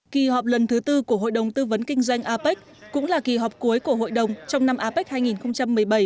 kỳ họp lần thứ tư của hội đồng tư vấn kinh doanh apec cũng là kỳ họp cuối của hội đồng trong năm apec hai nghìn một mươi bảy